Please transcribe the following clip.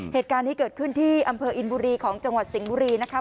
เหตุการณ์นี้เกิดขึ้นที่อำเภออินบุรีของจังหวัดสิงห์บุรีนะคะ